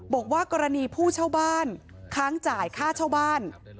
บอกว่ากรณีผู้เช่าบ้านค้างจ่ายค่าเช่าบ้าน